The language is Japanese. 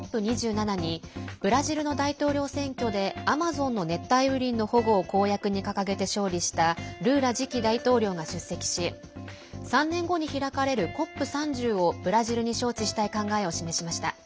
ＣＯＰ２７にブラジルの大統領選挙でアマゾンの熱帯雨林の保護を公約に掲げて勝利したルーラ次期大統領が出席し３年後に開かれるＣＯＰ３０をブラジルに招致したい考えを示しました。